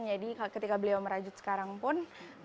ketika beliau merajut sekarang pun